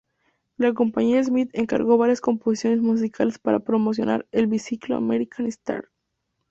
La Compañía Smith encargó varias composiciones musicales para promocionar el Biciclo American Star.